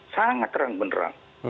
sangat terang benderang